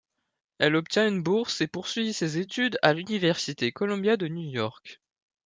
Elle obtient une bourse et poursuit ses études à l'université Columbia de New York.